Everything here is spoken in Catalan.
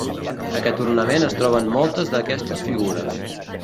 Aquest ornament es troba en moltes d'aquestes figures.